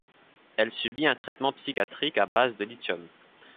Elle subit un traitement psychiatrique à base de lithium.